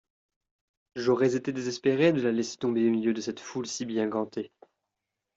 J'aurais été désespérée de la laisser tomber au milieu de cette foule si bien gantée.